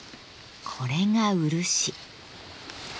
これが漆。